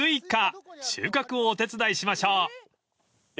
［収穫をお手伝いしましょう］